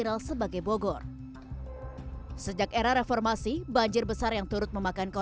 dan juga dengan semangat untuk terus menjadi yang terbaik